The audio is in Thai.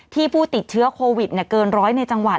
ผู้ติดเชื้อโควิดเกินร้อยในจังหวัด